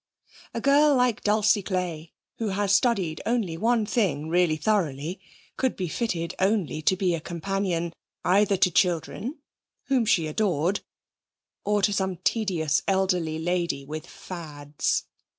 A girl like Dulcie Clay, who has studied only one thing really thoroughly, could be fitted only to be a companion either to children, whom she adored, or to some tedious elderly lady with fads.